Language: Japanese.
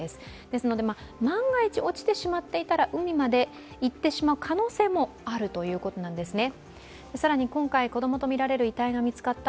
ですので、万が一落ちてしまっていたら海まで行ってしまう可能性もあるということなんですね。